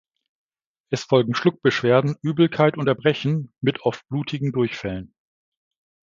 Es folgen Schluckbeschwerden, Übelkeit und Erbrechen mit oft blutigen Durchfällen.